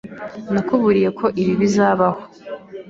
Nakuburiye ko ibi bizabaho.